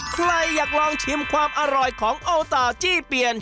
ใครอยากลองชิมความอร่อยของโอตาจี้เปียน